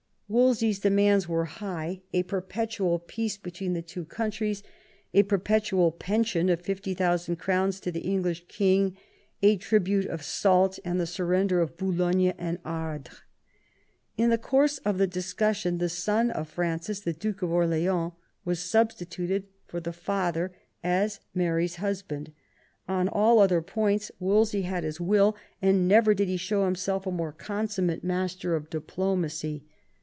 Wolsey's demands were high : a perpetual peace between the two countries, a perpetual pension of 50,000 crowns to the English king, a tribute of salt, and the surrender of Boulogne and Ardres. In the course of the discussion the son of Francis, the Duke of Orleans, was substituted for the father as Mary's husband ; on all other points Wolsey had his will, and never did he show himself a more consummate master of diplomacy.